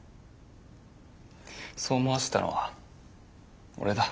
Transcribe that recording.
そう思わせたのは俺だ。